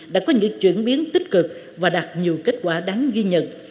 đã có những chuyển biến tích cực và đạt nhiều kết quả đáng ghi nhận